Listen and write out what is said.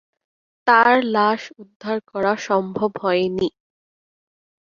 তাঁর লাশ উদ্ধার করা সম্ভব হয় নি।